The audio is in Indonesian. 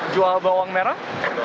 jual bawang merah